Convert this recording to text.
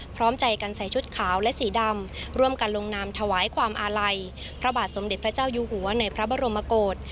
พร้อมใจกันใส่ชุดขาวและสีดำร่วมกันลงนามถวายความอาลัยพระบาทสมเด็จพระเจ้าอยู่หัวในพระบรมโกศ